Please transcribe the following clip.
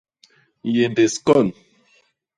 Nyéndés kon.